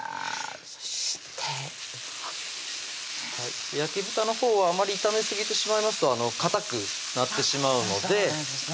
そして焼き豚のほうはあまり炒めすぎてしまいますとかたくなってしまうのでそうなんですね